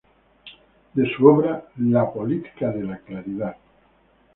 De su obra "La política de la claridad.